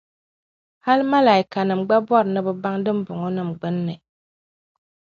Hal malaikanim’ gba bɔri ni bɛ baŋ dimbɔŋɔnim’ gbinni.